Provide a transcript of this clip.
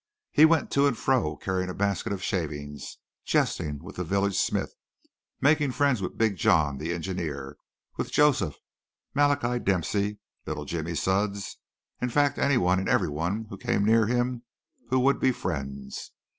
He went to and fro carrying a basket of shavings, jesting with "the village smith," making friends with "Big John," the engineer, with Joseph, Malachi Dempsey, little Jimmy Sudds, in fact anyone and everyone who came near him who would be friends.